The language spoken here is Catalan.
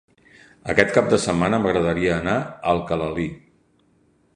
Aquest cap de setmana m'agradaria anar a Alcalalí.